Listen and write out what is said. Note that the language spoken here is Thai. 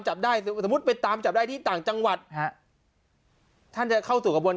จับได้สมมุติไปตามจับได้ที่ต่างจังหวัดฮะท่านจะเข้าสู่กระบวน